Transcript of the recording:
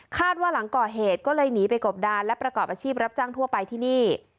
ว่าหลังก่อเหตุก็เลยหนีไปกบดานและประกอบอาชีพรับจ้างทั่วไปที่นี่